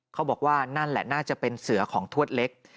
เขาบอกว่านั่นแหละน่าจะเป็นเสือของทวดเล็ก